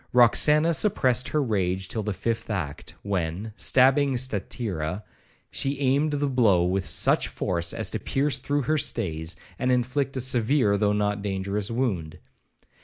Roxana suppressed her rage till the fifth act, when, stabbing Statira, she aimed the blow with such force as to pierce through her stays, and inflict a severe though not dangerous wound.